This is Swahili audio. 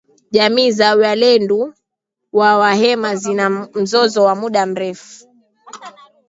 Jamii za walendu na wahema zina mzozo wa muda mrefu